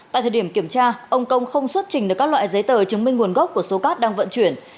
tại thời điểm kiểm tra ông công không xuất trình được các loại giấy tờ chứng minh nguồn gốc của số cát đang vận chuyển